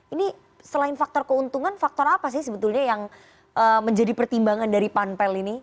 ini selain faktor keuntungan faktor apa sih sebetulnya yang menjadi pertimbangan dari panpel ini